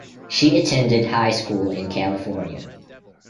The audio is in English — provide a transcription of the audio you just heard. She attended high school in California.